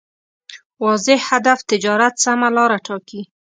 واضح هدف تجارت سمه لاره ټاکي.